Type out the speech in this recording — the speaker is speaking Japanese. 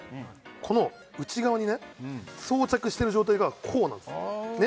この内側にね装着している状態がこうなんですね